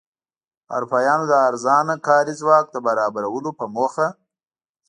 اروپایانو د ارزانه کاري ځواک د برابرولو په موخه.